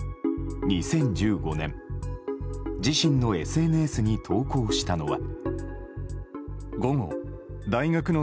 ２０１５年、自身のＳＮＳに投稿したのは。